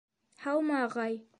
Һаумы, ағай!